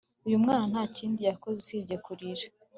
Uyu mwana nta kindi yakoze usibye kurira